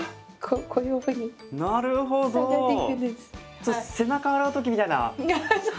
それ背中洗う時みたいな感じで。